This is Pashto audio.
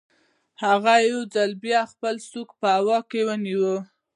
هغه یو ځل بیا خپله سوک په هوا کې ونیو